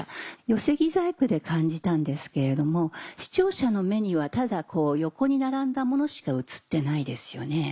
寄せ木細工で感じたんですけれども視聴者の目にはただこう横に並んだものしか映ってないですよね。